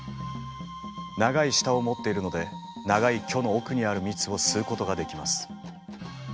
長い舌を持っているので長い距の奥にある蜜を吸うことができます。